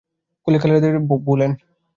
কলিকালের দুষ্যন্ত মহারাজরা সাজ-সজ্জাতেই ভোলেন।